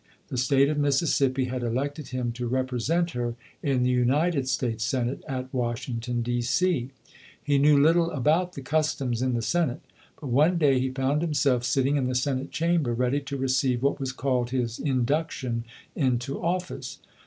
The State of Mississippi had elected him to represent her in the United States Senate at Washington, D. C. He knew little about the cus toms in the Senate, but one day he found himself sitting in the Senate Chamber ready to receive what was called his induction into office.